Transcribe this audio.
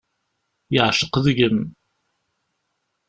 Yeεceq deg-m.